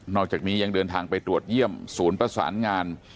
อกจากนี้ยังเดินทางไปตรวจเยี่ยมศูนย์ประสานงาน